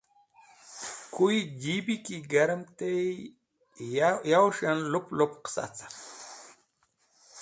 Kuye Jeebi ki Garem tey, Yowes̃h yan lu lup qasa cert